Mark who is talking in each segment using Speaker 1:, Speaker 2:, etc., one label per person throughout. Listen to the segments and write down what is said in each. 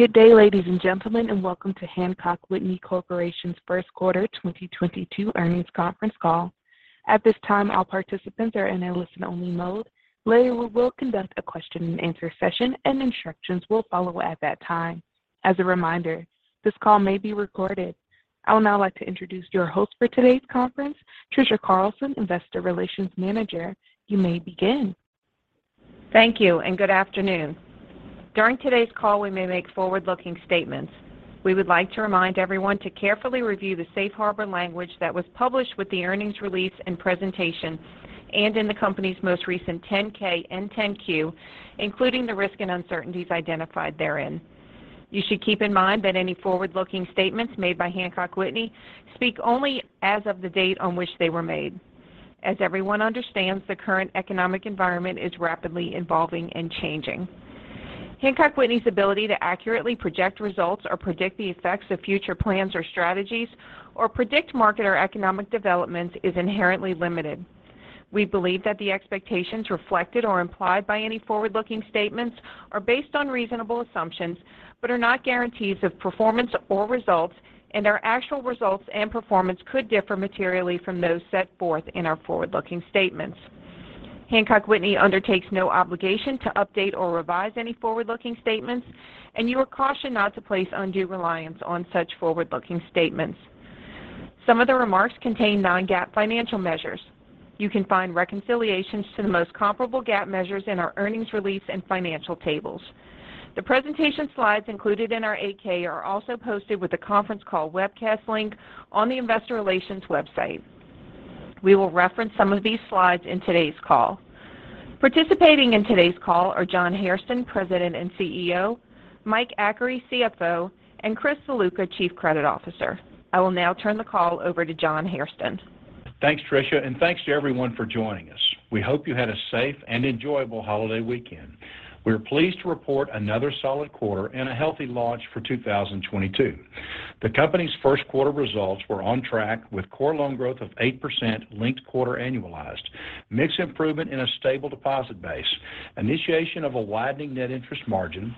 Speaker 1: Good day, ladies and gentlemen, and welcome to Hancock Whitney Corporation's first quarter 2022 earnings conference call. At this time, all participants are in a listen-only mode. Later, we will conduct a question-and-answer session, and instructions will follow at that time. As a reminder, this call may be recorded. I would now like to introduce your host for today's conference, Tricia Carlson, Investor Relations Manager. You may begin.
Speaker 2: Thank you and good afternoon. During today's call, we may make forward-looking statements. We would like to remind everyone to carefully review the safe harbor language that was published with the earnings release and presentation and in the company's most recent 10-K and 10-Q, including the risks and uncertainties identified therein. You should keep in mind that any forward-looking statements made by Hancock Whitney speak only as of the date on which they were made. As everyone understands, the current economic environment is rapidly evolving and changing. Hancock Whitney's ability to accurately project results or predict the effects of future plans or strategies or predict market or economic developments is inherently limited. We believe that the expectations reflected or implied by any forward-looking statements are based on reasonable assumptions, but are not guarantees of performance or results, and our actual results and performance could differ materially from those set forth in our forward-looking statements. Hancock Whitney undertakes no obligation to update or revise any forward-looking statements, and you are cautioned not to place undue reliance on such forward-looking statements. Some of the remarks contain non-GAAP financial measures. You can find reconciliations to the most comparable GAAP measures in our earnings release and financial tables. The presentation slides included in our 8-K are also posted with the conference call webcast link on the investor relations website. We will reference some of these slides in today's call. Participating in today's call are John Hairston, President and CEO; Mike Achary, CFO; and Chris DeLuca, Chief Credit Officer. I will now turn the call over to John Hairston.
Speaker 3: Thanks, Tricia, and thanks to everyone for joining us. We hope you had a safe and enjoyable holiday weekend. We are pleased to report another solid quarter and a healthy launch for 2022. The company's first quarter results were on track with core loan growth of 8% linked quarter annualized, mix improvement in a stable deposit base, initiation of a widening net interest margin,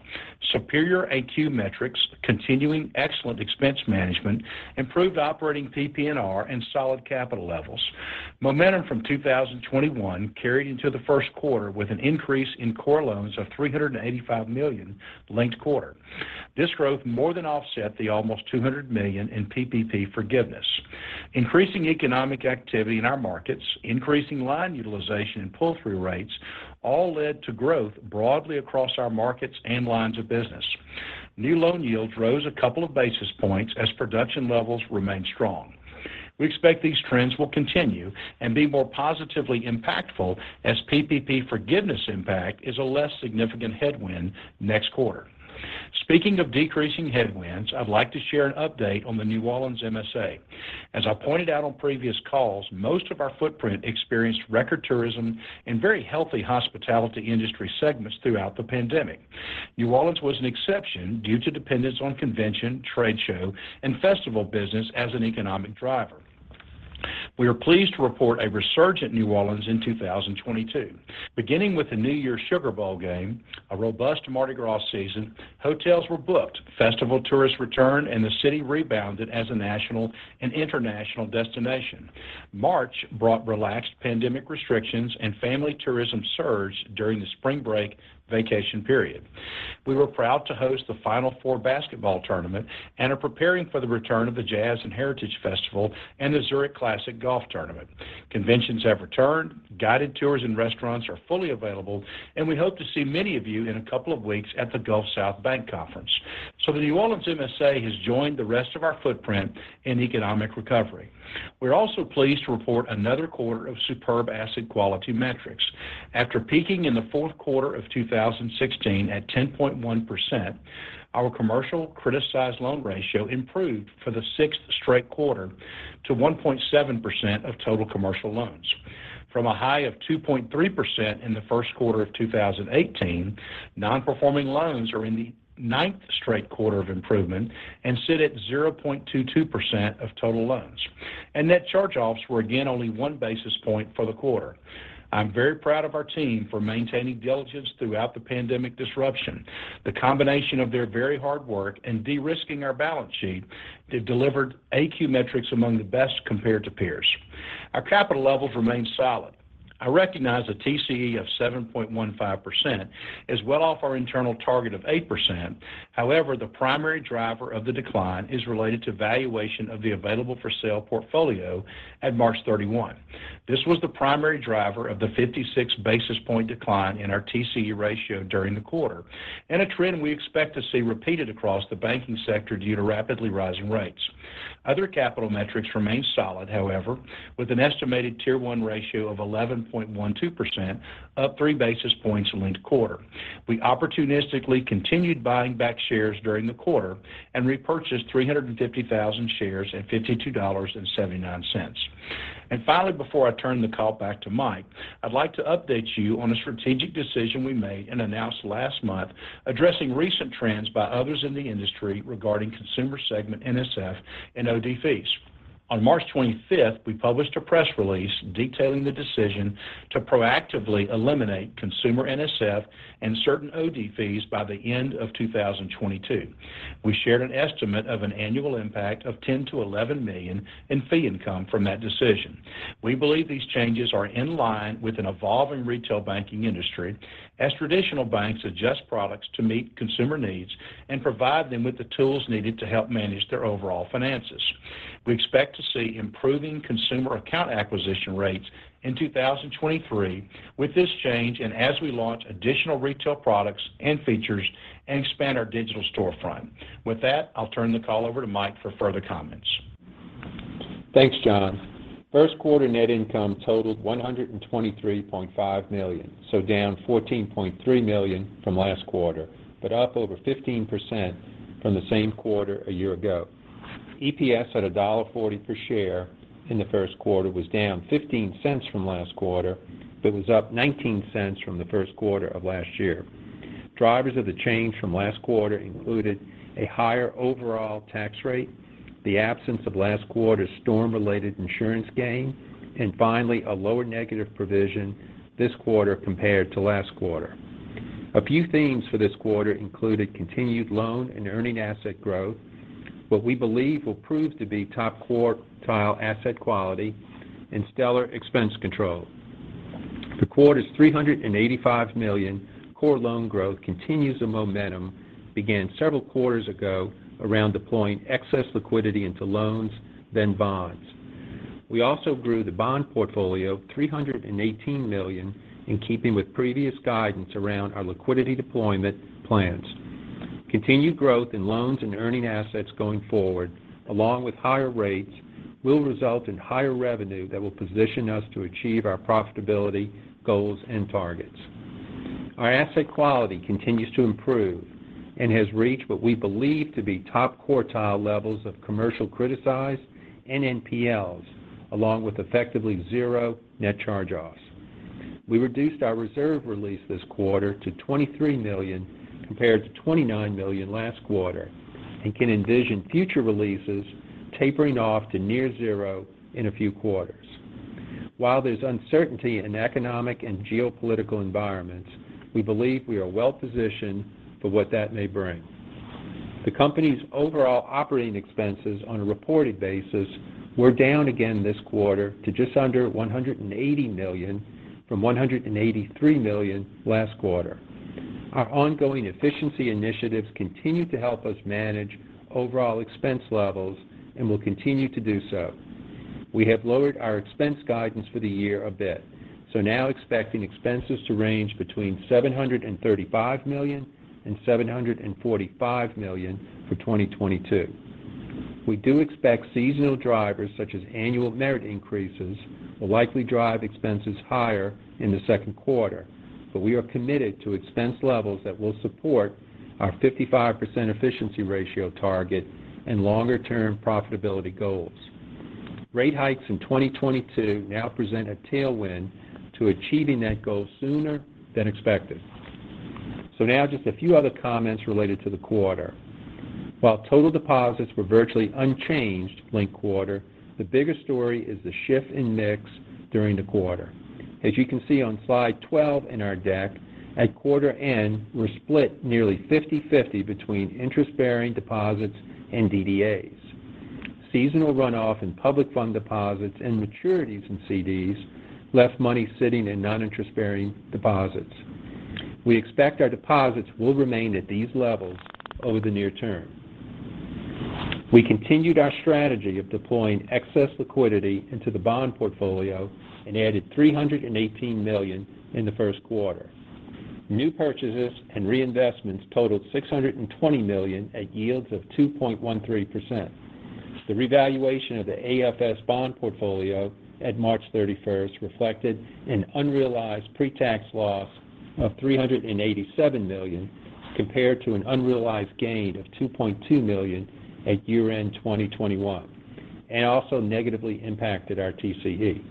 Speaker 3: superior AQ metrics, continuing excellent expense management, improved operating PPNR, and solid capital levels. Momentum from 2021 carried into the first quarter with an increase in core loans of $385 million linked quarter. This growth more than offset the almost $200 million in PPP forgiveness. Increasing economic activity in our markets, increasing line utilization and pull-through rates all led to growth broadly across our markets and lines of business. New loan yields rose a couple of basis points as production levels remained strong. We expect these trends will continue and be more positively impactful as PPP forgiveness impact is a less significant headwind next quarter. Speaking of decreasing headwinds, I'd like to share an update on the New Orleans MSA. As I pointed out on previous calls, most of our footprint experienced record tourism and very healthy hospitality industry segments throughout the pandemic. New Orleans was an exception due to dependence on convention, trade show, and festival business as an economic driver. We are pleased to report a resurgent New Orleans in 2022. Beginning with the New Year's Sugar Bowl game, a robust Mardi Gras season, hotels were booked, festival tourists returned, and the city rebounded as a national and international destination. March brought relaxed pandemic restrictions and family tourism surged during the spring break vacation period. We were proud to host the Final Four basketball tournament and are preparing for the return of the Jazz & Heritage Festival and the Zurich Classic Golf Tournament. Conventions have returned, guided tours and restaurants are fully available, and we hope to see many of you in a couple of weeks at the Gulf South Bank Conference. The New Orleans MSA has joined the rest of our footprint in economic recovery. We're also pleased to report another quarter of superb asset quality metrics. After peaking in the fourth quarter of 2016 at 10.1%, our commercial criticized loan ratio improved for the sixth straight quarter to 1.7% of total commercial loans. From a high of 2.3% in the first quarter of 2018, non-performing loans are in the ninth straight quarter of improvement and sit at 0.22% of total loans. Net charge-offs were again only one basis point for the quarter. I'm very proud of our team for maintaining diligence throughout the pandemic disruption. The combination of their very hard work and de-risking our balance sheet have delivered AQ metrics among the best compared to peers. Our capital levels remain solid. I recognize a TCE of 7.15% is well off our internal target of 8%. However, the primary driver of the decline is related to valuation of the available-for-sale portfolio at March 31. This was the primary driver of the 56 basis point decline in our TCE ratio during the quarter and a trend we expect to see repeated across the banking sector due to rapidly rising rates. Other capital metrics remain solid, however, with an estimated Tier 1 ratio of 11.12%, up 3 basis points linked-quarter. We opportunistically continued buying back shares during the quarter and repurchased 350,000 shares at $52.79. Finally, before I turn the call back to Mike, I'd like to update you on a strategic decision we made and announced last month addressing recent trends by others in the industry regarding consumer segment NSF and OD fees. On March 25th, we published a press release detailing the decision to proactively eliminate consumer NSF and certain OD fees by the end of 2022. We shared an estimate of an annual impact of $10 million-$11 million in fee income from that decision. We believe these changes are in line with an evolving retail banking industry as traditional banks adjust products to meet consumer needs and provide them with the tools needed to help manage their overall finances. We expect to see improving consumer account acquisition rates in 2023 with this change and as we launch additional retail products and features and expand our digital storefront. With that, I'll turn the call over to Mike for further comments.
Speaker 4: Thanks, John. First quarter net income totaled $123.5 million, so down $14.3 million from last quarter, but up over 15% from the same quarter a year ago. EPS at $1.40 per share in the first quarter was down $0.15 from last quarter, but was up $0.19 from the first quarter of last year. Drivers of the change from last quarter included a higher overall tax rate, the absence of last quarter's storm-related insurance gain, and finally, a lower negative provision this quarter compared to last quarter. A few themes for this quarter included continued loan and earning asset growth, what we believe will prove to be top quartile asset quality, and stellar expense control. The quarter's $385 million core loan growth continues the momentum began several quarters ago around deploying excess liquidity into loans, then bonds. We also grew the bond portfolio $318 million in keeping with previous guidance around our liquidity deployment plans. Continued growth in loans and earning assets going forward, along with higher rates, will result in higher revenue that will position us to achieve our profitability goals and targets. Our asset quality continues to improve and has reached what we believe to be top quartile levels of commercial criticized and NPLs, along with effectively zero net charge-offs. We reduced our reserve release this quarter to $23 million compared to $29 million last quarter and can envision future releases tapering off to near zero in a few quarters. While there's uncertainty in economic and geopolitical environments, we believe we are well positioned for what that may bring. The company's overall operating expenses on a reported basis were down again this quarter to just under $180 million from $183 million last quarter. Our ongoing efficiency initiatives continue to help us manage overall expense levels and will continue to do so. We have lowered our expense guidance for the year a bit, so now expecting expenses to range between $735 million and $745 million for 2022. We do expect seasonal drivers such as annual merit increases will likely drive expenses higher in the second quarter, but we are committed to expense levels that will support our 55% efficiency ratio target and longer term profitability goals. Rate hikes in 2022 now present a tailwind to achieving that goal sooner than expected. Now just a few other comments related to the quarter. While total deposits were virtually unchanged linked quarter, the bigger story is the shift in mix during the quarter. As you can see on slide 12 in our deck, at quarter end, we're split nearly 50/50 between interest bearing deposits and DDAs. Seasonal runoff in public fund deposits and maturities in CDs left money sitting in non-interest bearing deposits. We expect our deposits will remain at these levels over the near term. We continued our strategy of deploying excess liquidity into the bond portfolio and added $318 million in the first quarter. New purchases and reinvestments totaled $620 million at yields of 2.13%. The revaluation of the AFS bond portfolio at March 31 reflected an unrealized pretax loss of $387 million compared to an unrealized gain of $2.2 million at year-end 2021, and also negatively impacted our TCE.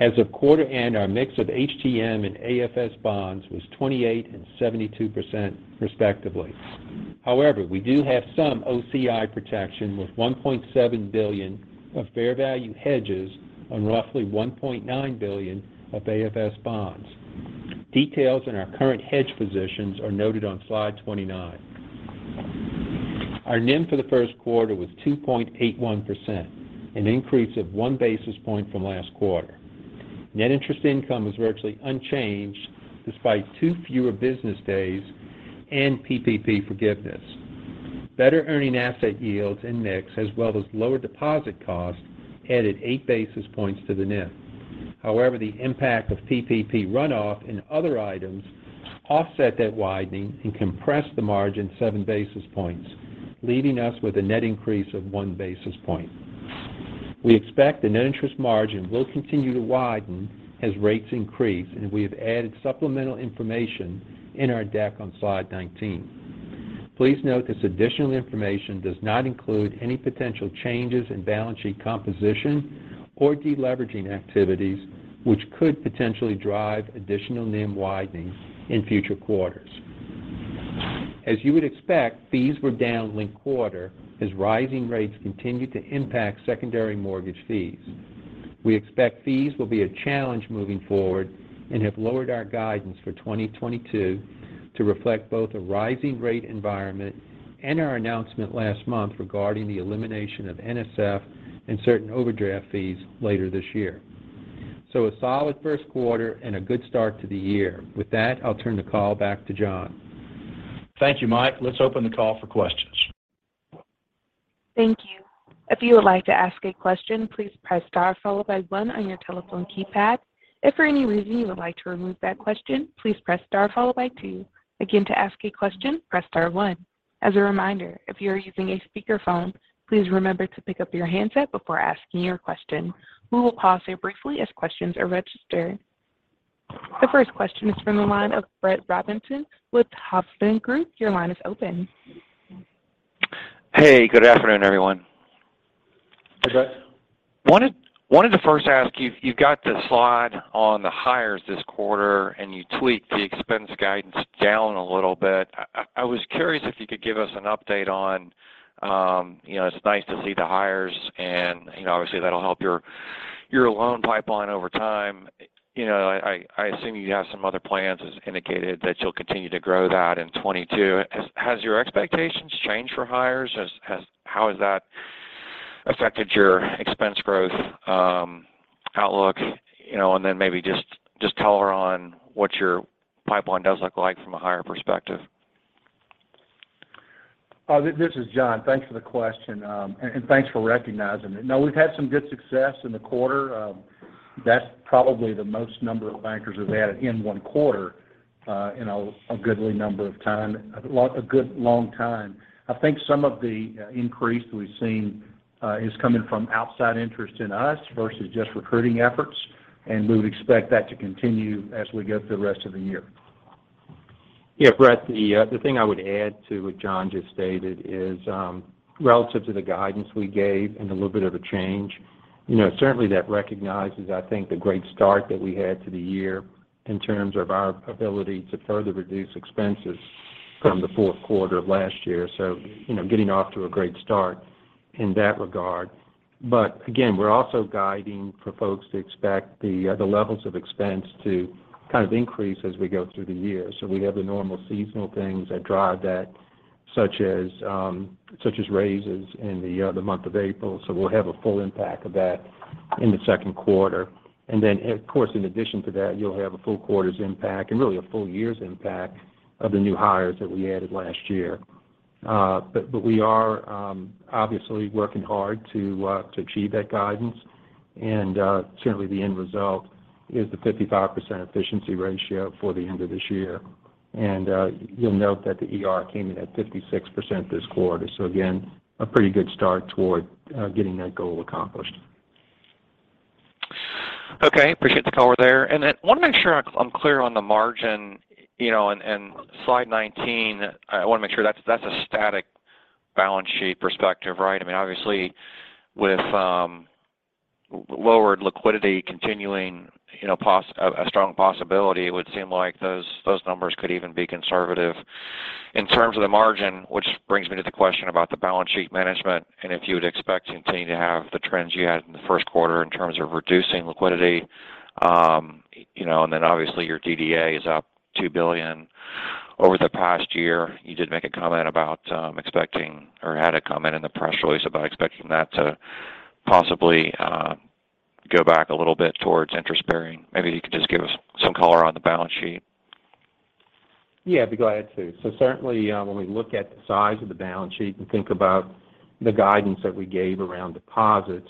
Speaker 4: As of quarter end, our mix of HTM and AFS bonds was 28% and 72% respectively. However, we do have some OCI protection with $1.7 billion of fair value hedges on roughly $1.9 billion of AFS bonds. Details in our current hedge positions are noted on slide 29. Our NIM for the first quarter was 2.81%, an increase of 1 basis point from last quarter. Net interest income was virtually unchanged despite 2 fewer business days and PPP forgiveness. Better earning asset yields and mix as well as lower deposit costs added 8 basis points to the NIM. However, the impact of PPP runoff and other items offset that widening and compressed the margin 7 basis points, leaving us with a net increase of 1 basis point. We expect the net interest margin will continue to widen as rates increase, and we have added supplemental information in our deck on slide 19. Please note this additional information does not include any potential changes in balance sheet composition or deleveraging activities which could potentially drive additional NIM widening in future quarters. As you would expect, fees were down linked quarter as rising rates continued to impact secondary mortgage fees. We expect fees will be a challenge moving forward and have lowered our guidance for 2022 to reflect both a rising rate environment and our announcement last month regarding the elimination of NSF and certain overdraft fees later this year. A solid first quarter and a good start to the year. With that, I'll turn the call back to John.
Speaker 3: Thank you, Mike. Let's open the call for questions.
Speaker 1: If you would like to ask a question, please press star followed by one on your telephone keypad. If for any reason you would like to remove that question, please press star followed by two. Again, to ask a question, press star one. As a reminder, if you are using a speakerphone, please remember to pick up your handset before asking your question. We will pause here briefly as questions are registered. The first question is from the line of Brett Rabatin with Hovde Group. Your line is open.
Speaker 5: Hey, good afternoon, everyone.
Speaker 3: Hey, Brett.
Speaker 5: I wanted to first ask you've got the slide on the hires this quarter, and you tweaked the expense guidance down a little bit. I was curious if you could give us an update on, you know, it's nice to see the hires and, you know, obviously that'll help your loan pipeline over time. You know, I assume you have some other plans as indicated that you'll continue to grow that in 2022. Has your expectations changed for hires? How has that affected your expense growth outlook, you know, and then maybe just color on what your pipeline does look like from a hire perspective.
Speaker 3: This is John. Thanks for the question, and thanks for recognizing it. No, we've had some good success in the quarter. That's probably the most number of bankers we've added in one quarter, in a good long time. I think some of the increase that we've seen is coming from outside interest in us versus just recruiting efforts, and we would expect that to continue as we go through the rest of the year.
Speaker 4: Yeah, Brett, the thing I would add to what John just stated is, relative to the guidance we gave and a little bit of a change, you know, certainly that recognizes, I think, the great start that we had to the year in terms of our ability to further reduce expenses from the fourth quarter of last year. You know, getting off to a great start in that regard. We're also guiding for folks to expect the levels of expense to kind of increase as we go through the year. We have the normal seasonal things that drive that, such as raises in the month of April. We'll have a full impact of that in the second quarter. Of course, in addition to that, you'll have a full quarter's impact and really a full year's impact of the new hires that we added last year. But we are obviously working hard to achieve that guidance. Certainly the end result is the 55% efficiency ratio for the end of this year. You'll note that the ER came in at 56% this quarter. Again, a pretty good start toward getting that goal accomplished.
Speaker 5: Okay. Appreciate the color there. I want to make sure I'm clear on the margin, you know, and slide 19, I want to make sure that's a static balance sheet perspective, right? I mean, obviously with lowered liquidity continuing, you know, possibly a strong possibility, it would seem like those numbers could even be conservative. In terms of the margin, which brings me to the question about the balance sheet management and if you would expect to continue to have the trends you had in the first quarter in terms of reducing liquidity. You know, obviously your DDA is up $2 billion over the past year. You did make a comment about expecting or had a comment in the press release about expecting that to possibly go back a little bit towards interest bearing. Maybe you could just give us some color on the balance sheet.
Speaker 4: Yeah, I'd be glad to. Certainly, when we look at the size of the balance sheet and think about the guidance that we gave around deposits,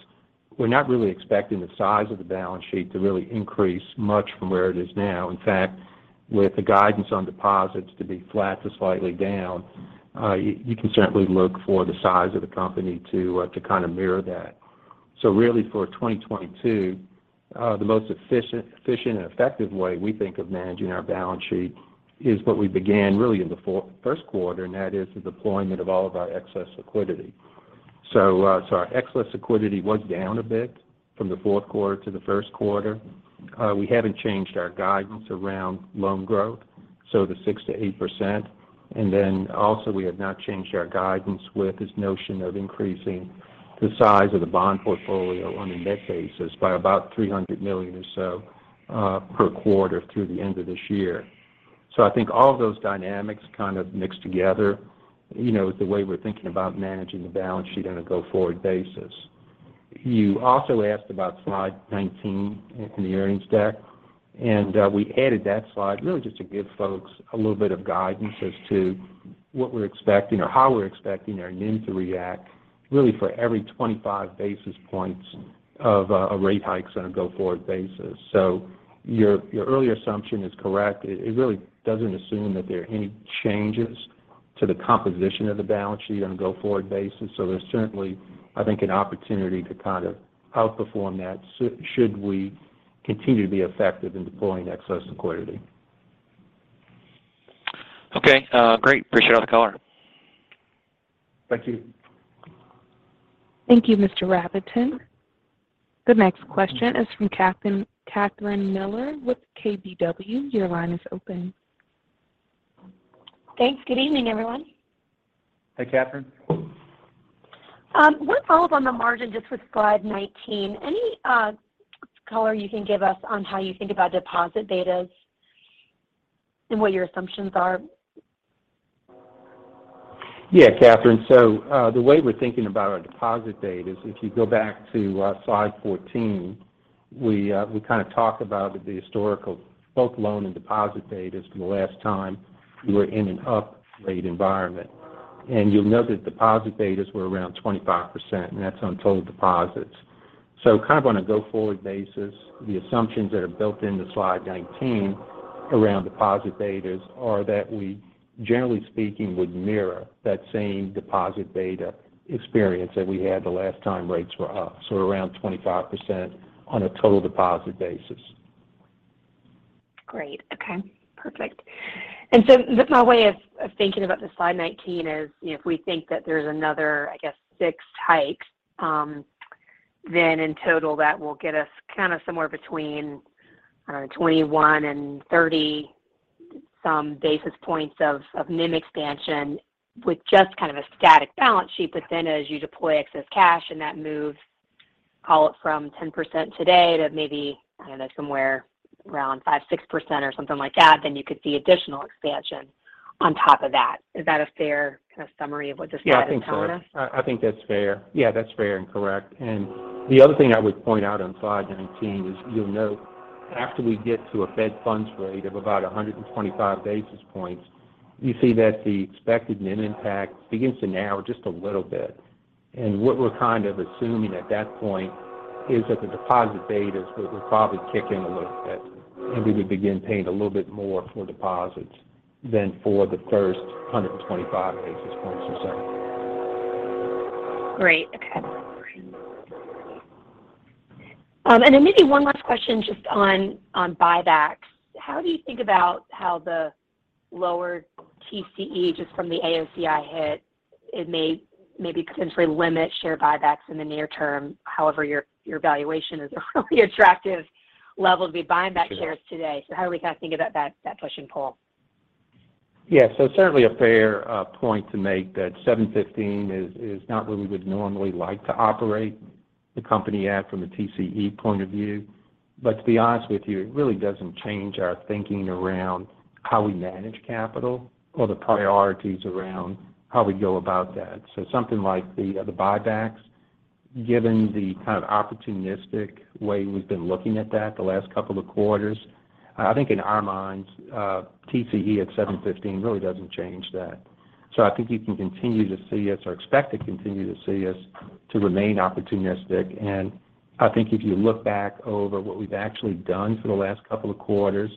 Speaker 4: we're not really expecting the size of the balance sheet to really increase much from where it is now. In fact, with the guidance on deposits to be flat to slightly down, you can certainly look for the size of the company to kind of mirror that. Really for 2022, the most efficient and effective way we think of managing our balance sheet is what we began really in the first quarter, and that is the deployment of all of our excess liquidity. Our excess liquidity was down a bit from the fourth quarter to the first quarter. We haven't changed our guidance around loan growth, so the 6%-8%. Then also we have not changed our guidance with this notion of increasing the size of the bond portfolio on a net basis by about $300 million or so, per quarter through the end of this year. I think all of those dynamics kind of mixed together, you know, the way we're thinking about managing the balance sheet on a go-forward basis. You also asked about slide 19 in the earnings deck, and we added that slide really just to give folks a little bit of guidance as to what we're expecting or how we're expecting our NIM to react really for every 25 basis points of a rate hike on a go-forward basis. Your early assumption is correct. It really doesn't assume that there are any changes to the composition of the balance sheet on a go-forward basis. There's certainly, I think, an opportunity to kind of outperform that, should we continue to be effective in deploying excess liquidity.
Speaker 5: Okay. Great. Appreciate all the color.
Speaker 4: Thank you.
Speaker 1: Thank you, Mr. Rabatin. The next question is from Catherine Mealor with KBW. Your line is open.
Speaker 6: Thanks. Good evening, everyone.
Speaker 4: Hi, Catherine.
Speaker 6: One follow-up on the margin, just with slide 19. Any color you can give us on how you think about deposit betas and what your assumptions are?
Speaker 4: Yeah, Catherine. The way we're thinking about our deposit betas, if you go back to slide 14, we kind of talk about the historical both loan and deposit betas from the last time we were in an up-rate environment. You'll note that deposit betas were around 25%, and that's on total deposits. Kind of on a go-forward basis, the assumptions that are built into slide 19 around deposit betas are that we, generally speaking, would mirror that same deposit beta experience that we had the last time rates were up, so around 25% on a total deposit basis.
Speaker 6: Great. Okay, perfect. That's my way of thinking about the slide 19 is if we think that there's another, I guess, 6 hikes, then in total, that will get us kind of somewhere between, I don't know, 21 and 30-some basis points of NIM expansion with just kind of a static balance sheet. But then as you deploy excess cash and that moves, call it from 10% today to maybe, I don't know, somewhere around 5%-6% or something like that, then you could see additional expansion on top of that. Is that a fair kind of summary of what the slide is telling us?
Speaker 4: Yeah, I think so. I think that's fair. Yeah, that's fair and correct. The other thing I would point out on slide 19 is you'll note after we get to a Fed funds rate of about 125 basis points, you see that the expected NIM impact begins to narrow just a little bit. What we're kind of assuming at that point is that the deposit betas would probably kick in a little bit, and we would begin paying a little bit more for deposits than for the first 125 basis points or so.
Speaker 6: Great. Okay. Maybe one last question just on buybacks. How do you think about how the lower TCE just from the AOCI hit, it may maybe potentially limit share buybacks in the near term? However, your valuation is at a really attractive level to be buying back shares today.
Speaker 4: Sure.
Speaker 6: How are we kind of thinking about that push and pull?
Speaker 4: Yeah. Certainly a fair point to make that 7.15% is not where we would normally like to operate the company at from a TCE point of view. To be honest with you, it really doesn't change our thinking around how we manage capital or the priorities around how we go about that. Something like the buybacks, given the kind of opportunistic way we've been looking at that the last couple of quarters, I think in our minds, TCE at 7.15% really doesn't change that. I think you can continue to see us, or expect to continue to see us, to remain opportunistic. I think if you look back over what we've actually done for the last couple of quarters,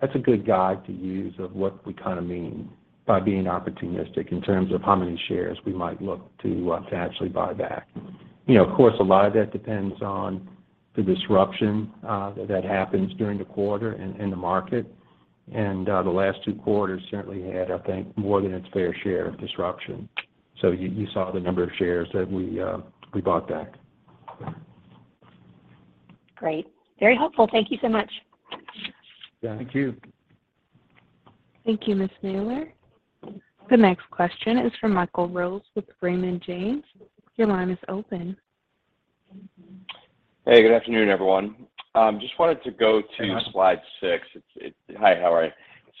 Speaker 4: that's a good guide to use of what we kind of mean by being opportunistic in terms of how many shares we might look to to actually buy back. You know, of course, a lot of that depends on the disruption that happens during the quarter in the market. The last two quarters certainly had, I think, more than its fair share of disruption. You saw the number of shares that we bought back.
Speaker 6: Great. Very helpful. Thank you so much.
Speaker 4: Yeah, thank you.
Speaker 1: Thank you, Ms. Mealor. The next question is from Michael Rose with Raymond James. Your line is open.
Speaker 7: Hey, good afternoon, everyone. Just wanted to go to-
Speaker 4: Hey, Michael.
Speaker 7: Slide 6. Hi, how are you?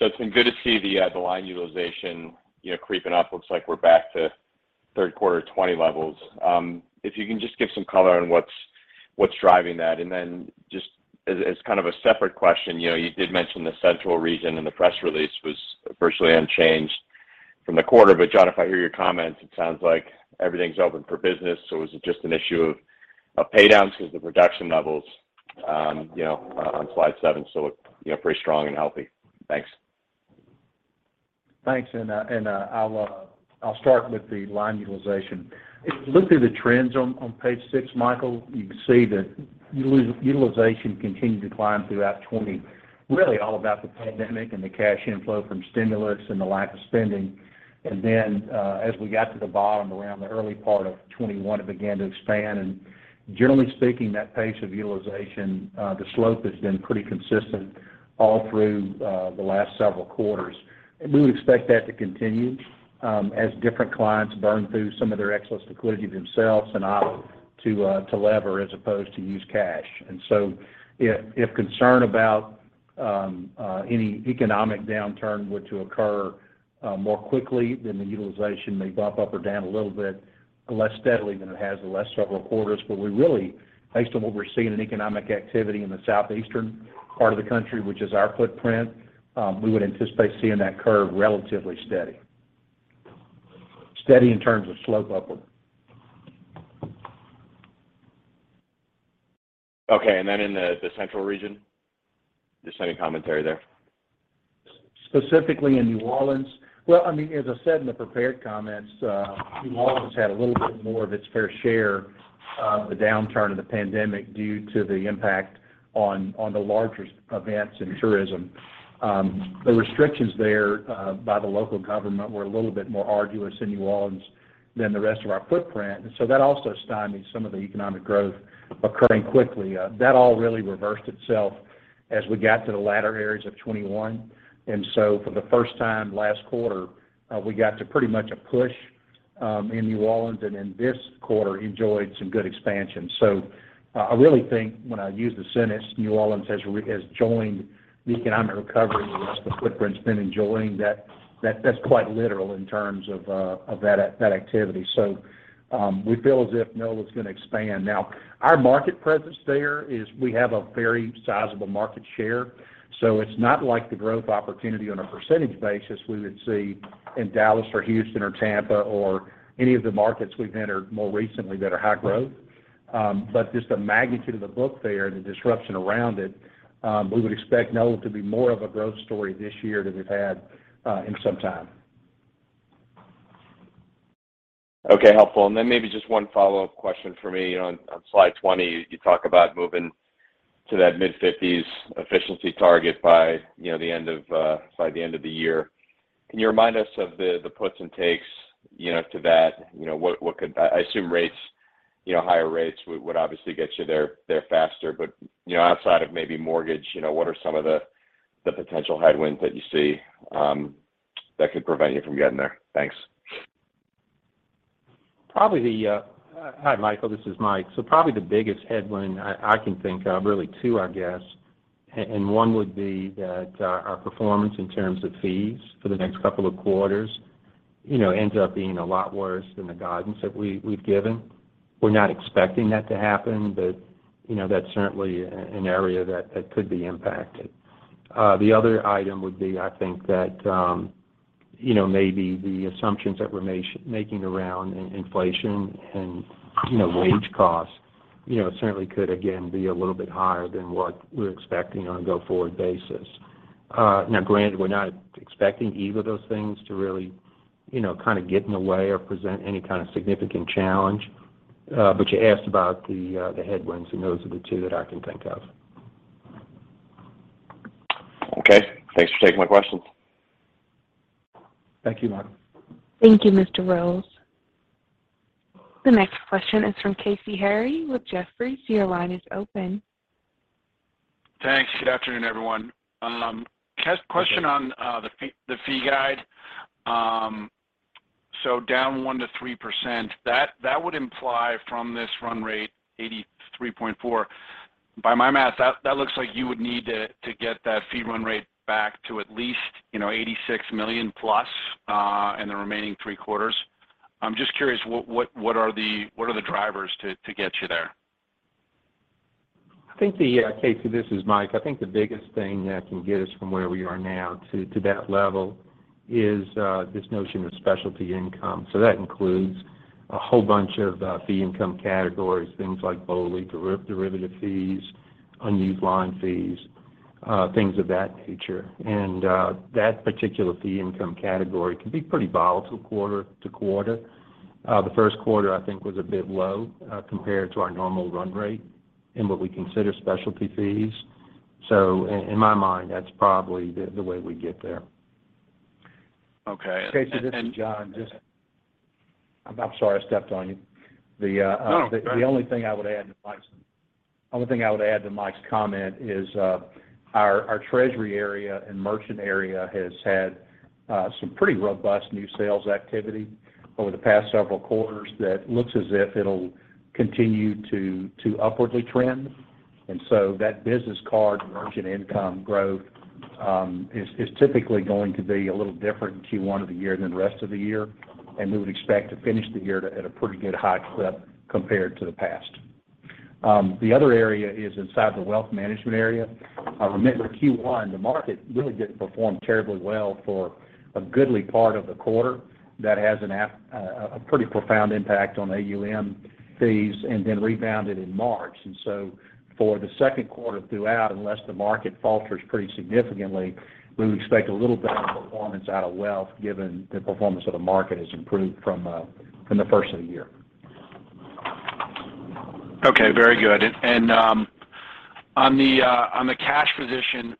Speaker 7: It's been good to see the line utilization, you know, creeping up. Looks like we're back to third quarter 2020 levels. If you can just give some color on what's driving that. Then just as kind of a separate question, you know, you did mention the Central region in the press release was virtually unchanged from the quarter. John, if I hear your comments, it sounds like everything's open for business, so is it just an issue of pay downs with the reduction levels, you know, on Slide 7, so, you know, pretty strong and healthy? Thanks.
Speaker 4: Thanks. I'll start with the line utilization. If you look through the trends on page six, Michael, you can see that utilization continued to climb throughout 2020, really all about the pandemic and the cash inflow from stimulus and the lack of spending. As we got to the bottom around the early part of 2021, it began to expand. Generally speaking, that pace of utilization, the slope has been pretty consistent all through the last several quarters. We would expect that to continue, as different clients burn through some of their excess liquidity themselves and opt to lever as opposed to use cash. If concern about any economic downturn were to occur more quickly, then the utilization may bump up or down a little bit less steadily than it has the last several quarters. We really, based on what we're seeing in economic activity in the southeastern part of the country, which is our footprint, we would anticipate seeing that curve relatively steady. Steady in terms of slope upward.
Speaker 7: Okay. In the Central region, just any commentary there?
Speaker 4: Specifically in New Orleans? Well, I mean, as I said in the prepared comments, New Orleans had a little bit more of its fair share of the downturn of the pandemic due to the impact on the larger events in tourism. The restrictions there, by the local government were a little bit more arduous in New Orleans than the rest of our footprint. That also stymied some of the economic growth occurring quickly. That all really reversed itself as we got to the latter areas of 2021. For the first time last quarter, we got to pretty much a push, in New Orleans, and in this quarter enjoyed some good expansion. I really think when I use the sentence, New Orleans has joined the economic recovery the rest of the footprint's been enjoying, that's quite literal in terms of that activity. We feel as if NOLA is going to expand. Now, our market presence there is we have a very sizable market share. It's not like the growth opportunity on a percentage basis we would see in Dallas or Houston or Tampa or any of the markets we've entered more recently that are high growth. But just the magnitude of the book there and the disruption around it, we would expect NOLA to be more of a growth story this year than we've had in some time.
Speaker 7: Okay, helpful. Maybe just one follow-up question for me. You know, on slide 20, you talk about moving to that mid-fifties efficiency target by, you know, the end of the year. Can you remind us of the puts and takes, you know, to that? You know, I assume rates, you know, higher rates would obviously get you there faster. You know, outside of maybe mortgage, you know, what are some of the potential headwinds that you see that could prevent you from getting there? Thanks.
Speaker 4: Hi, Michael, this is Mike. Probably the biggest headwind I can think of, really two, I guess. One would be that our performance in terms of fees for the next couple of quarters, you know, ends up being a lot worse than the guidance that we've given. We're not expecting that to happen, but you know, that's certainly an area that could be impacted. The other item would be, I think that you know, maybe the assumptions that we're making around inflation and you know, wage costs, you know, certainly could again be a little bit higher than what we're expecting on a go-forward basis. Now granted, we're not expecting either of those things to really you know, kind of get in the way or present any kind of significant challenge. You asked about the headwinds, and those are the two that I can think of.
Speaker 7: Okay. Thanks for taking my questions.
Speaker 4: Thank you, Michael.
Speaker 1: Thank you, Mr. Rose. The next question is from Casey Haire with Jefferies. Your line is open.
Speaker 8: Thanks. Good afternoon, everyone.
Speaker 4: Good day.
Speaker 8: Question on the fee guidance. Down 1%-3%, that would imply from this run rate 83.4. By my math, that looks like you would need to get that fee run rate back to at least, you know, $86 million plus in the remaining three quarters. I'm just curious, what are the drivers to get you there?
Speaker 4: I think Casey, this is Mike. I think the biggest thing that can get us from where we are now to that level is this notion of specialty income. That includes a whole bunch of fee income categories, things like BOLI, derivative fees, unused line fees, things of that nature. That particular fee income category can be pretty volatile quarter to quarter. The first quarter, I think, was a bit low compared to our normal run rate in what we consider specialty fees. In my mind, that's probably the way we get there.
Speaker 8: Okay.
Speaker 4: Casey, this is John. I'm sorry I stepped on you.
Speaker 8: No, go ahead.
Speaker 3: The only thing I would add to Mike's comment is our treasury area and merchant area has had some pretty robust new sales activity over the past several quarters that looks as if it'll continue to upwardly trend. That business card merchant income growth is typically going to be a little different in Q1 of the year than the rest of the year. We would expect to finish the year at a pretty good high clip compared to the past. The other area is inside the wealth management area. Remember Q1, the market really didn't perform terribly well for a goodly part of the quarter. That has a pretty profound impact on AUM fees and then rebounded in March.
Speaker 4: For the second quarter throughout, unless the market falters pretty significantly, we would expect a little bit of performance out of wealth, given the performance of the market has improved from the first of the year.
Speaker 8: Okay, very good. On the cash position,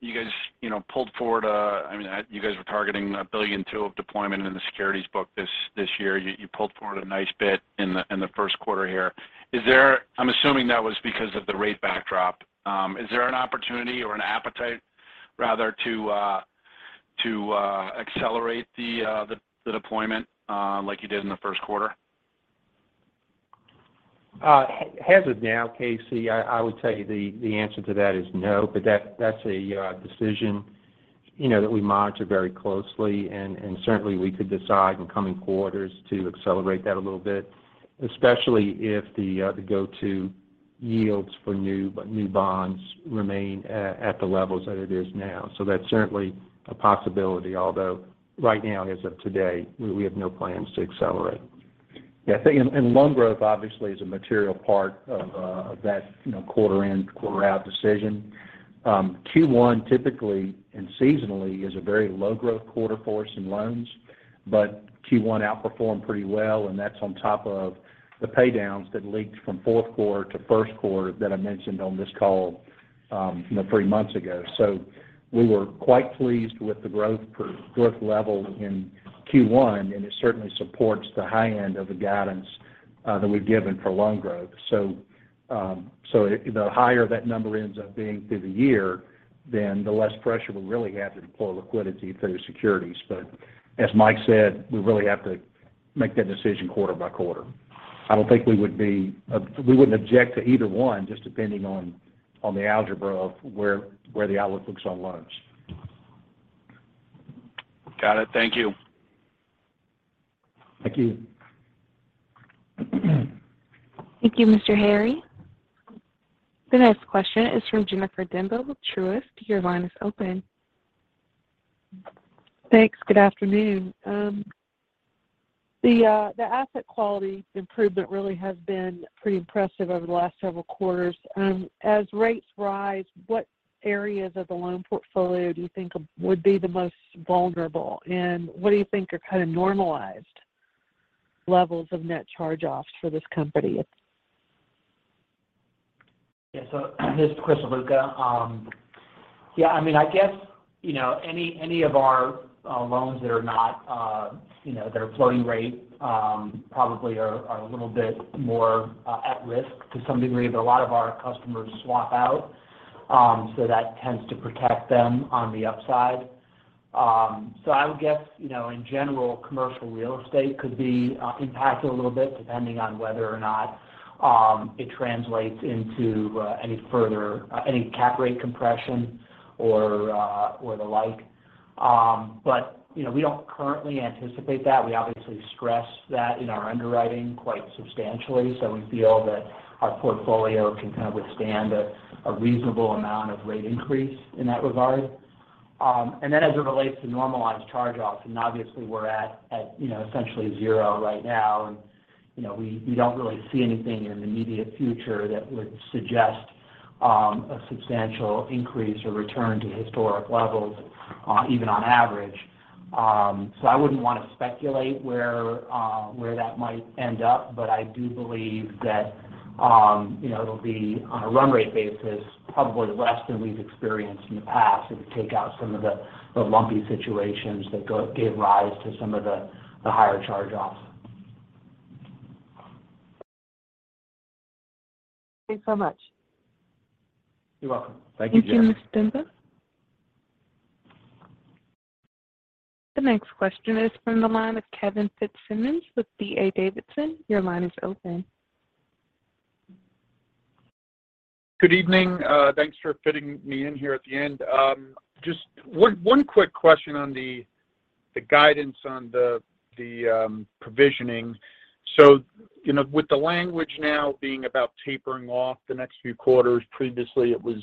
Speaker 8: you guys, you know, pulled forward. I mean, you guys were targeting $1.2 billion of deployment in the securities book this year. You pulled forward a nice bit in the first quarter here. I'm assuming that was because of the rate backdrop. Is there an opportunity or an appetite, rather, to accelerate the deployment like you did in the first quarter?
Speaker 4: As of now, Casey, I would tell you the answer to that is no, but that's a decision, you know, that we monitor very closely. Certainly we could decide in coming quarters to accelerate that a little bit, especially if the current yields for new bonds remain at the levels that it is now. That's certainly a possibility, although right now, as of today, we have no plans to accelerate. Yeah.
Speaker 3: Loan growth obviously is a material part of that, you know, quarter in, quarter out decision. Q1 typically and seasonally is a very low growth quarter for us in loans, but Q1 outperformed pretty well, and that's on top of the paydowns that leaked from fourth quarter to first quarter that I mentioned on this call, you know, three months ago. We were quite pleased with the growth level in Q1, and it certainly supports the high end of the guidance that we've given for loan growth. The higher that number ends up being through the year, then the less pressure we'll really have to deploy liquidity through securities. As Mike said, we really have to make that decision quarter by quarter.
Speaker 4: I don't think we wouldn't object to either one just depending on the algebra of where the outlook looks on loans.
Speaker 9: Got it. Thank you.
Speaker 4: Thank you.
Speaker 1: Thank you, Mr. Haire. The next question is from Jennifer Demba with Truist. Your line is open.
Speaker 10: Thanks. Good afternoon. The asset quality improvement really has been pretty impressive over the last several quarters. As rates rise, what areas of the loan portfolio do you think would be the most vulnerable? And what do you think are kind of normalized levels of net charge-offs for this company?
Speaker 11: Yeah, this is Chris DeLuca. Yeah, I mean, I guess, you know, any of our loans that are not, you know, that are floating rate, probably are a little bit more at risk to some degree. A lot of our customers swap out, so that tends to protect them on the upside. I would guess, you know, in general, commercial real estate could be impacted a little bit depending on whether or not it translates into any further any cap rate compression or or the like. You know, we don't currently anticipate that. We obviously stress that in our underwriting quite substantially. We feel that our portfolio can kind of withstand a reasonable amount of rate increase in that regard. As it relates to normalized charge-offs, obviously we're at you know, essentially zero right now. You know, we don't really see anything in the immediate future that would suggest a substantial increase or return to historic levels, even on average. I wouldn't want to speculate where that might end up, but I do believe that you know, it'll be on a run rate basis, probably less than we've experienced in the past if you take out some of the lumpy situations that gave rise to some of the higher charge-offs.
Speaker 10: Thanks so much.
Speaker 11: You're welcome.
Speaker 4: Thank you, Jen.
Speaker 1: Thank you, Ms. Demba. The next question is from the line of Kevin Fitzsimmons with D.A. Davidson. Your line is open.
Speaker 9: Good evening. Thanks for fitting me in here at the end. Just one quick question on the guidance on the provisioning. You know, with the language now being about tapering off the next few quarters, previously it was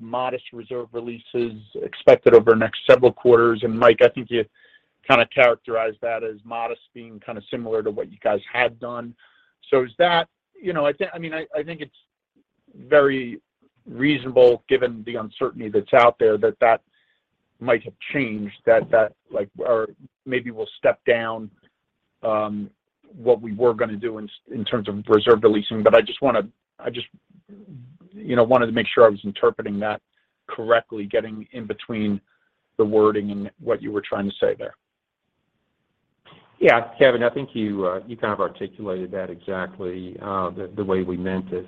Speaker 9: modest reserve releases expected over the next several quarters. Mike, I think you kind of characterized that as modest being kind of similar to what you guys had done. Is that you know, I mean, I think it's very reasonable given the uncertainty that's out there that that might have changed that like or maybe we'll step down what we were gonna do in terms of reserve releasing. I just wanna, you know, wanted to make sure I was interpreting that correctly, getting in between the wording and what you were trying to say there.
Speaker 4: Yeah. Kevin, I think you kind of articulated that exactly, the way we meant it.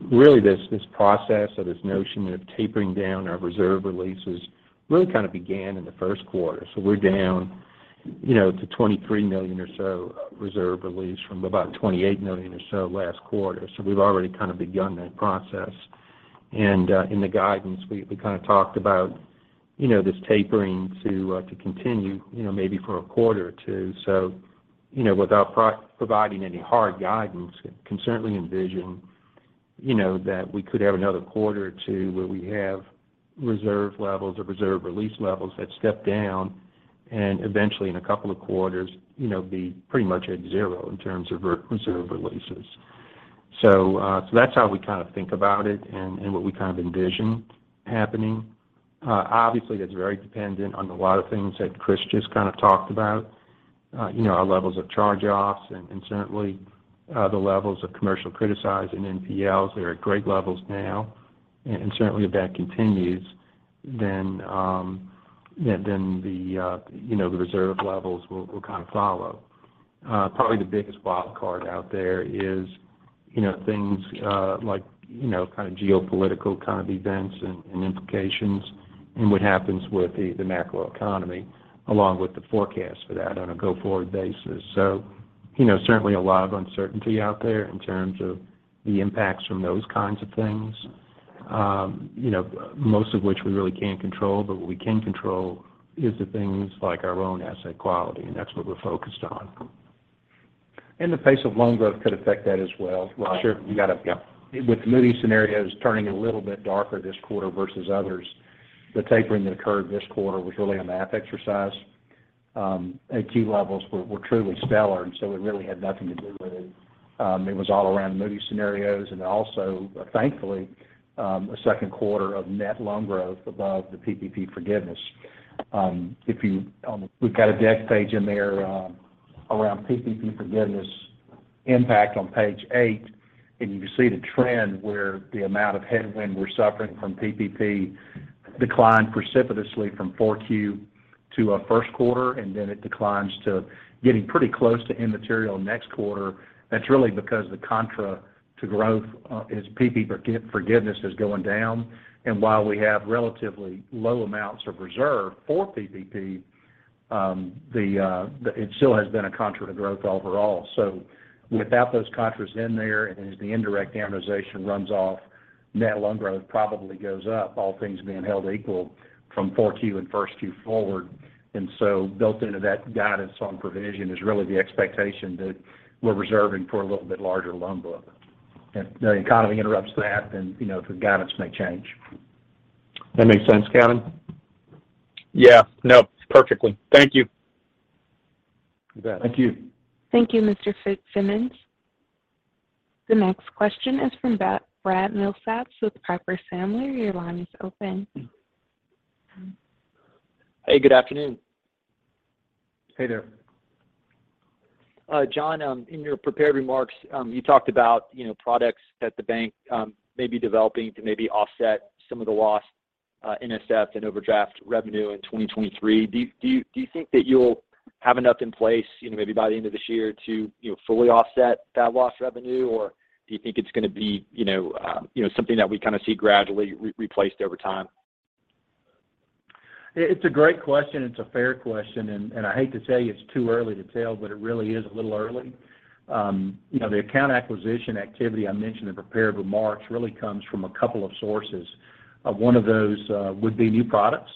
Speaker 4: Really this process or this notion of tapering down our reserve releases really kind of began in the first quarter. We're down, you know, to $23 million or so reserve release from about $28 million or so last quarter. We've already kind of begun that process. In the guidance, we kind of talked about, you know, this tapering to continue, you know, maybe for a quarter or two. You know, without providing any hard guidance, we can certainly envision, you know, that we could have another quarter or two where we have reserve levels or reserve release levels that step down and eventually in a couple of quarters, you know, be pretty much at zero in terms of reserve releases. That's how we kind of think about it and what we kind of envision happening. Obviously, that's very dependent on a lot of things that Chris just kind of talked about. You know, our levels of charge-offs and certainly the levels of commercial criticized and NPLs. They're at great levels now. Certainly if that continues, then yeah, then the you know, the reserve levels will kind of follow. Probably the biggest wildcard out there is, you know, things like, you know, kind of geopolitical kind of events and implications and what happens with the macroeconomy, along with the forecast for that on a go-forward basis. You know, certainly a lot of uncertainty out there in terms of the impacts from those kinds of things. you know, most of which we really can't control, but what we can control is the things like our own asset quality, and that's what we're focused on.
Speaker 11: The pace of loan growth could affect that as well.
Speaker 4: Sure. You got it. Yeah.
Speaker 11: With Moody's scenarios turning a little bit darker this quarter versus others, the tapering that occurred this quarter was really a math exercise.
Speaker 3: AT levels were truly stellar. It really had nothing to do with it. It was all around Moody's scenarios and also, thankfully, a second quarter of net loan growth above the PPP forgiveness. We've got a deck page in there, around PPP forgiveness impact on page 8, and you can see the trend where the amount of headwind we're suffering from PPP declined precipitously from 4Q to first quarter, and then it declines to getting pretty close to immaterial next quarter. That's really because the contra to growth is PPP forgiveness going down. While we have relatively low amounts of reserve for PPP, it still has been a contra to growth overall. Without those contras in there, and as the indirect amortization runs off, net loan growth probably goes up, all things being held equal from 4Q and 1Q forward. Built into that guidance on provision is really the expectation that we're reserving for a little bit larger loan book. The economy interrupts that, then, you know, the guidance may change. That make sense, Kevin? Yeah. No, perfectly. Thank you. You bet. Thank you.
Speaker 1: Thank you, Mr. Fitzsimmons. The next question is from Brad Milsaps with Piper Sandler. Your line is open.
Speaker 12: Hey, good afternoon.
Speaker 3: Hey there.
Speaker 12: John, in your prepared remarks, you talked about, you know, products that the bank may be developing to maybe offset some of the loss, NSF and overdraft revenue in 2023. Do you think that you'll have enough in place, you know, maybe by the end of this year to, you know, fully offset that lost revenue? Or do you think it's gonna be, you know, something that we kind of see gradually replaced over time?
Speaker 3: It's a great question. It's a fair question, and I hate to tell you it's too early to tell, but it really is a little early. You know, the account acquisition activity I mentioned in prepared remarks really comes from a couple of sources. One of those would be new products.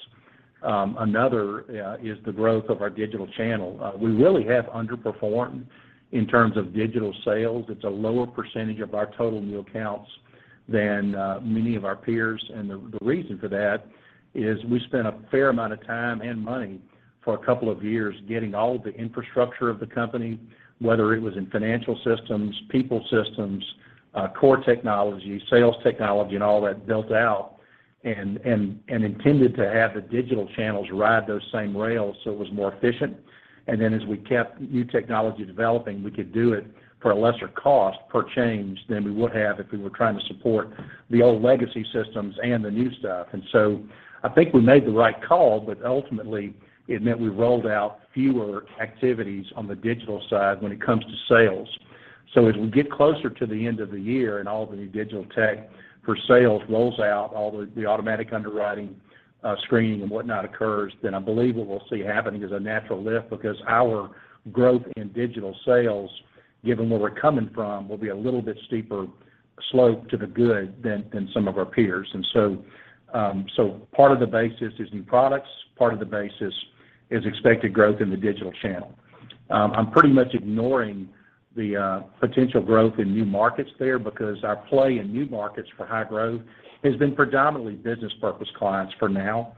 Speaker 3: Another is the growth of our digital channel. We really have underperformed in terms of digital sales. It's a lower percentage of our total new accounts than many of our peers. The reason for that is we spent a fair amount of time and money for a couple of years getting all of the infrastructure of the company, whether it was in financial systems, people systems, core technology, sales technology, and all that built out, and intended to have the digital channels ride those same rails so it was more efficient. Then as we kept new technology developing, we could do it for a lesser cost per change than we would have if we were trying to support the old legacy systems and the new stuff. I think we made the right call, but ultimately it meant we rolled out fewer activities on the digital side when it comes to sales. As we get closer to the end of the year and all the new digital tech for sales rolls out, all the automatic underwriting, screening and whatnot occurs, then I believe what we'll see happening is a natural lift because our growth in digital sales, given where we're coming from, will be a little bit steeper slope to the good than some of our peers. Part of the basis is new products, part of the basis is expected growth in the digital channel. I'm pretty much ignoring the potential growth in new markets there because our play in new markets for high growth has been predominantly business purpose clients for now.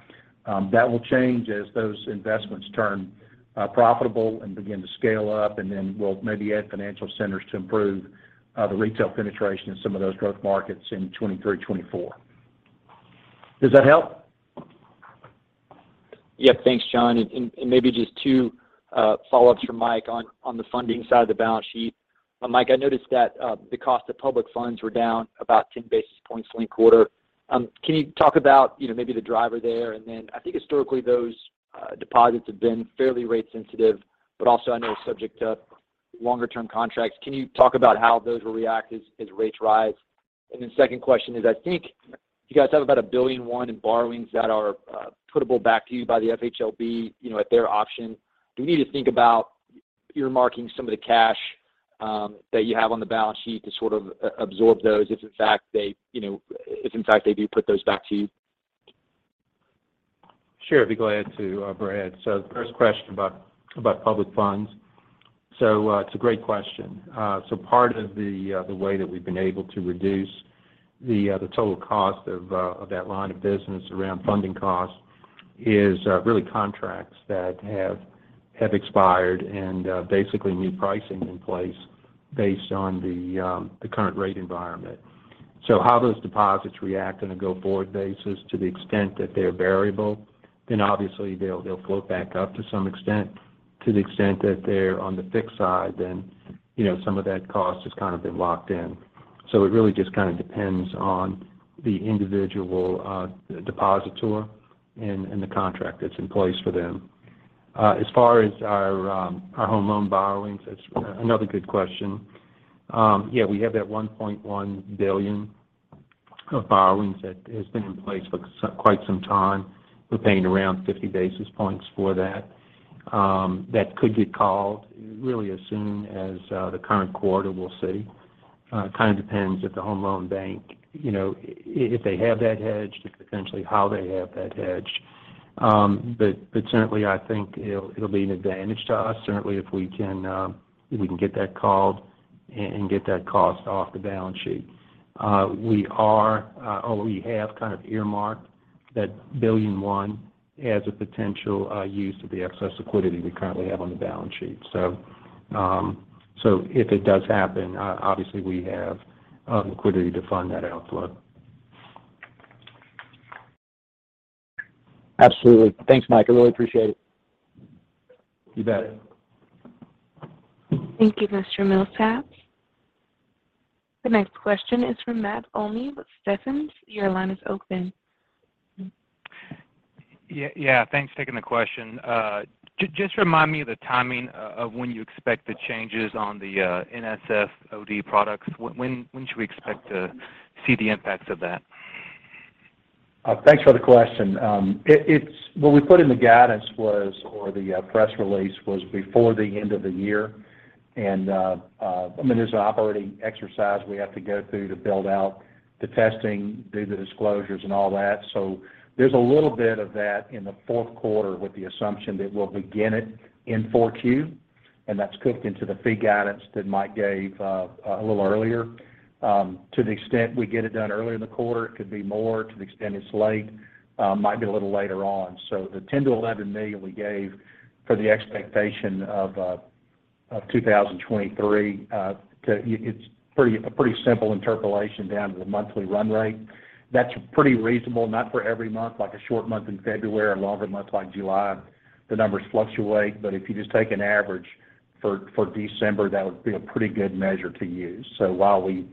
Speaker 3: That will change as those investments turn profitable and begin to scale up, and then we'll maybe add financial centers to improve the retail penetration in some of those growth markets in 2023, 2024. Does that help?
Speaker 12: Yeah. Thanks, John. Maybe just two follow-ups from Mike on the funding side of the balance sheet. Mike, I noticed that the cost of public funds were down about 10 basis points linked quarter. Can you talk about, you know, maybe the driver there? Then I think historically those deposits have been fairly rate sensitive, but also I know subject to longer term contracts. Can you talk about how those will react as rates rise? Second question is, I think you guys have about $1.1 billion in borrowings that are putable back to you by the FHLB, you know, at their option. Do you need to think about earmarking some of the cash that you have on the balance sheet to sort of absorb those if in fact they do put those back to you?
Speaker 3: Sure. I'd be glad to, Brad. The first question about public funds. It's a great question. Part of the way that we've been able to reduce the total cost of that line of business around funding costs is really contracts that have expired and basically new pricing in place based on the current rate environment. How those deposits react on a go forward basis to the extent that they're variable, then obviously they'll float back up to some extent. To the extent that they're on the fixed side, then, you know, some of that cost has kind of been locked in. It really just kind of depends on the individual depositor and the contract that's in place for them. As far as our home loan borrowings, that's another good question. Yeah, we have that $1.1 billion of borrowings that has been in place for quite some time. We're paying around 50 basis points for that. That could get called really as soon as the current quarter, we'll see. Kind of depends if the home loan bank, you know, if they have that hedged, potentially how they have that hedged. But certainly I think it'll be an advantage to us, certainly if we can get that called.
Speaker 4: Get that cost off the balance sheet. We have kind of earmarked that $1 billion as a potential use of the excess liquidity we currently have on the balance sheet. If it does happen, obviously we have liquidity to fund that outflow.
Speaker 3: Absolutely. Thanks, Mike. I really appreciate it.
Speaker 4: You bet.
Speaker 1: Thank you, Mr. Milsaps. The next question is from Matt Olney with Stephens. Your line is open.
Speaker 13: Yeah. Yeah, thanks for taking the question. Just remind me of the timing of when you expect the changes on the NSF OD products. When should we expect to see the impacts of that?
Speaker 3: Thanks for the question. It's what we put in the guidance or the press release was before the end of the year. I mean, there's an operating exercise we have to go through to build out the testing, do the disclosures and all that. There's a little bit of that in the fourth quarter with the assumption that we'll begin it in 4Q, and that's cooked into the fee guidance that Mike gave a little earlier. To the extent we get it done earlier in the quarter, it could be more. To the extent it's late, might be a little later on. The $10 million-$11 million we gave for the expectation of 2023, it's a pretty simple interpolation down to the monthly run rate. That's pretty reasonable, not for every month, like a short month in February, a longer month like July, the numbers fluctuate. If you just take an average for December, that would be a pretty good measure to use. While we,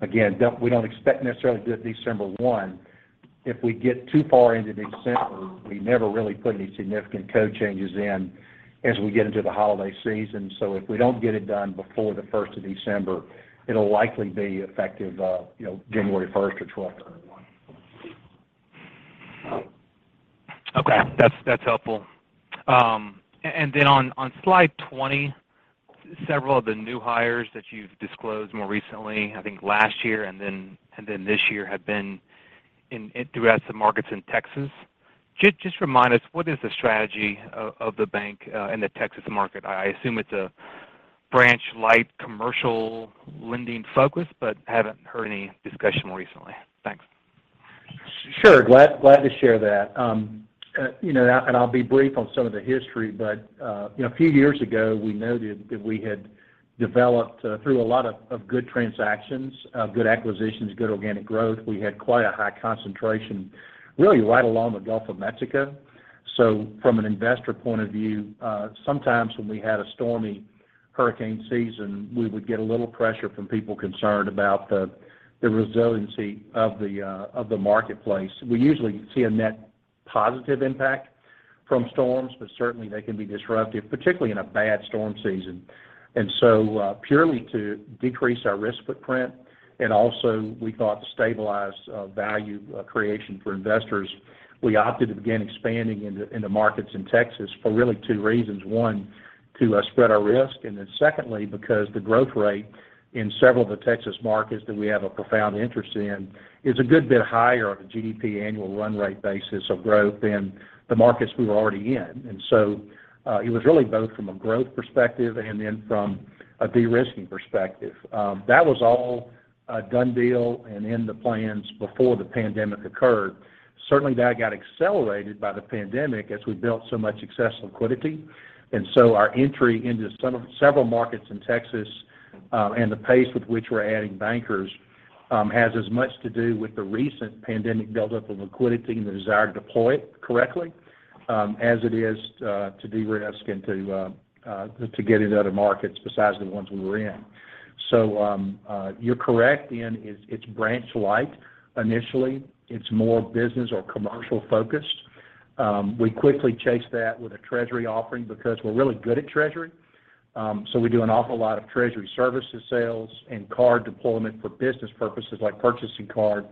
Speaker 3: again, don't expect necessarily to do it December one, if we get too far into December, we never really put any significant code changes in as we get into the holiday season. If we don't get it done before the first of December, it'll likely be effective, you know, January first or twelfth or one.
Speaker 13: Okay. That's helpful. And then on slide 20, several of the new hires that you've disclosed more recently, I think last year and then this year have been throughout some markets in Texas. Just remind us, what is the strategy of the bank in the Texas market? I assume it's a branch light commercial lending focus, but haven't heard any discussion recently. Thanks.
Speaker 3: Sure. Glad to share that. You know, I'll be brief on some of the history, but you know, a few years ago, we noted that we had developed through a lot of good transactions, good acquisitions, good organic growth. We had quite a high concentration, really right along the Gulf of Mexico. From an investor point of view, sometimes when we had a stormy hurricane season, we would get a little pressure from people concerned about the resiliency of the marketplace. We usually see a net positive impact from storms, but certainly they can be disruptive, particularly in a bad storm season. Purely to decrease our risk footprint, and also we thought to stabilize value creation for investors, we opted to begin expanding into markets in Texas for really two reasons. One, to spread our risk, and then secondly, because the growth rate in several of the Texas markets that we have a profound interest in is a good bit higher on a GDP annual run rate basis of growth than the markets we were already in. It was really both from a growth perspective and then from a de-risking perspective. That was all a done deal and in the plans before the pandemic occurred. Certainly, that got accelerated by the pandemic as we built so much excess liquidity. Our entry into several markets in Texas and the pace with which we're adding bankers has as much to do with the recent pandemic buildup of liquidity and the desire to deploy it correctly as it is to de-risk and to get into other markets besides the ones we were in. You're correct in that it's branch light initially. It's more business or commercial-focused. We quickly chase that with a treasury offering because we're really good at treasury. We do an awful lot of treasury services sales and card deployment for business purposes like purchasing card.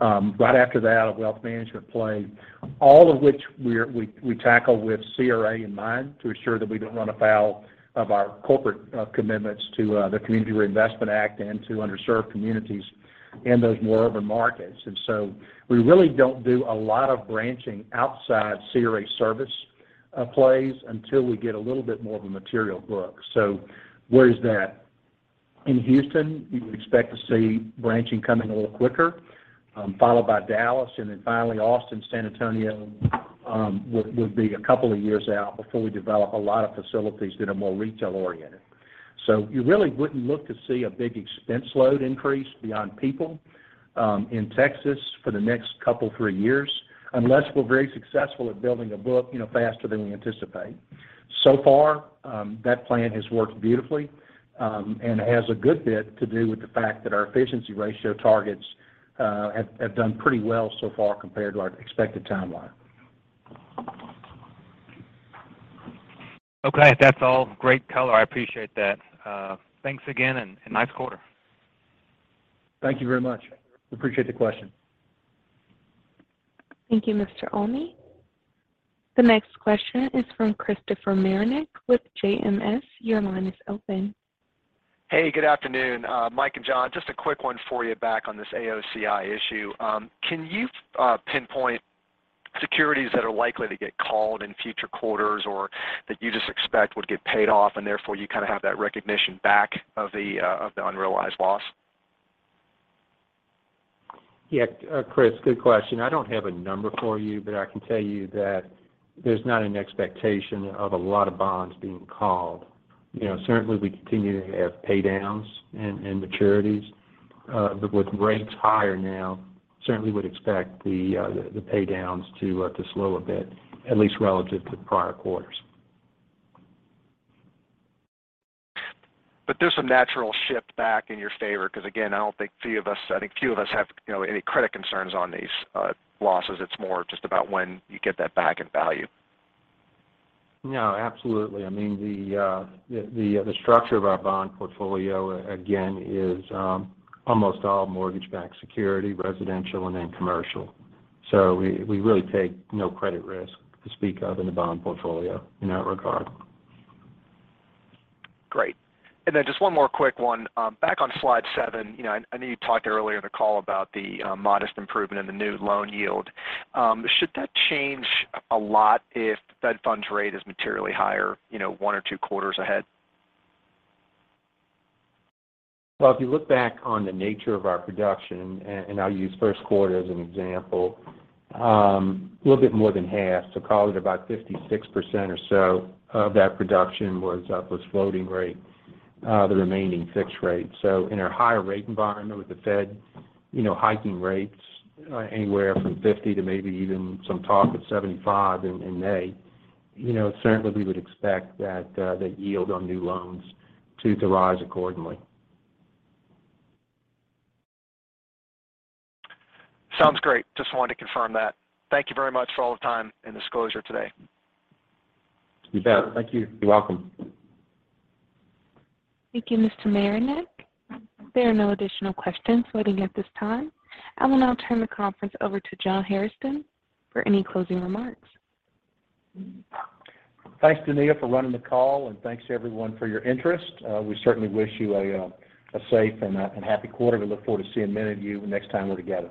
Speaker 3: Right after that, a wealth management play, all of which we tackle with CRA in mind to ensure that we don't run afoul of our corporate commitments to the Community Reinvestment Act and to underserved communities in those more urban markets. We really don't do a lot of branching outside CRA service plays until we get a little bit more of a material book. Where is that? In Houston, you would expect to see branching coming a little quicker, followed by Dallas, and then finally, Austin, San Antonio would be a couple of years out before we develop a lot of facilities that are more retail-oriented. You really wouldn't look to see a big expense load increase beyond people in Texas for the next couple, 3 years, unless we're very successful at building a book, you know, faster than we anticipate. So far, that plan has worked beautifully, and has a good bit to do with the fact that our efficiency ratio targets have done pretty well so far compared to our expected timeline.
Speaker 13: Okay. That's all great color. I appreciate that. Thanks again and nice quarter.
Speaker 3: Thank you very much. I appreciate the question.
Speaker 1: Thank you, Mr. Olney. The next question is from Christopher Marinac with Janney's. Your line is open.
Speaker 14: Hey, good afternoon. Mike and John, just a quick one for you back on this AOCI issue. Can you pinpoint Securities that are likely to get called in future quarters or that you just expect would get paid off, and therefore you kind of have that recognition back of the, of the unrealized loss?
Speaker 4: Yeah, Chris, good question. I don't have a number for you, but I can tell you that there's not an expectation of a lot of bonds being called. You know, certainly we continue to have pay downs in maturities. With rates higher now, certainly would expect the pay downs to slow a bit, at least relative to prior quarters.
Speaker 14: There's some natural shift back in your favor because again, I think few of us have, you know, any credit concerns on these losses. It's more just about when you get that back in value.
Speaker 4: No, absolutely. I mean, the structure of our bond portfolio again is almost all mortgage-backed security, residential and then commercial. So we really take no credit risk to speak of in the bond portfolio in that regard.
Speaker 14: Great. Just one more quick one. Back on slide 7, I know you talked earlier in the call about the modest improvement in the new loan yield. Should that change a lot if Fed funds rate is materially higher, one or two quarters ahead?
Speaker 4: Well, if you look back on the nature of our production, and I'll use first quarter as an example, a little bit more than half, so call it about 56% or so of that production was floating rate, the remaining fixed rate. In a higher rate environment with the Fed, you know, hiking rates anywhere from 50 to maybe even some talk of 75 in May, you know, certainly we would expect that yield on new loans to rise accordingly.
Speaker 14: Sounds great. Just wanted to confirm that. Thank you very much for all the time and disclosure today.
Speaker 4: You bet. Thank you. You're welcome.
Speaker 1: Thank you, Mr. Marinac. There are no additional questions waiting at this time. I will now turn the conference over to John Hairston for any closing remarks.
Speaker 4: Thanks, Traci, for running the call, and thanks to everyone for your interest. We certainly wish you a safe and happy quarter. We look forward to seeing many of you the next time we're together.